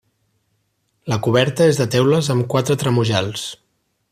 La coberta és de teules amb quatre tremujals.